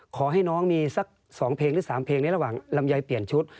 ขอให้น้องมีสัก๒เพลงหรือ๓เพลงในระหว่างลำไยเปลี่ยนชุด